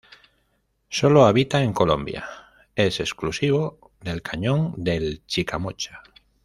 Sólo habita en Colombia; es exclusivo del cañón del Chicamocha.